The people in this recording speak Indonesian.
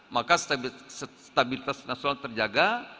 maka stabilitas nasional terjaga